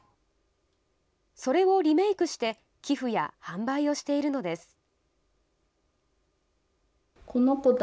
それをリメークして、寄付や販売をしているのです。